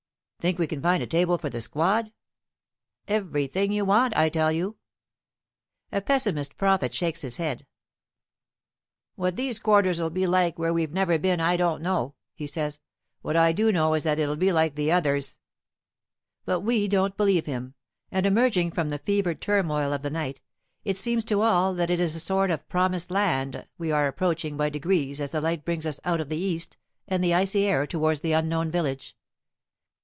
"Think we can find a table for the squad?" "Everything you want, I tell you." A pessimist prophet shakes his head: "What these quarters'll be like where we've never been, I don't know," he says. "What I do know is that it'll be like the others." But we don't believe him, and emerging from the fevered turmoil of the night, it seems to all that it is a sort of Promised Land we are approaching by degrees as the light brings us out of the east and the icy air towards the unknown village.